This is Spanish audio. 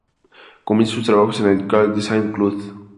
Comienza sus trabajos en el Château de Saint-Cloud.